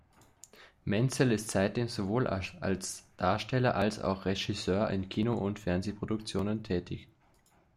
Menzel ist seitdem sowohl als Darsteller als auch Regisseur in Kino- und Fernsehproduktionen tätig.